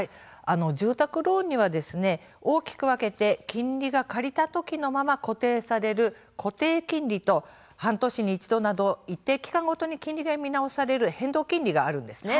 住宅ローンには大きく分けて金利が借りた時のまま固定される固定金利と半年に一度など一定期間ごとに金利が見直される変動金利があるんです。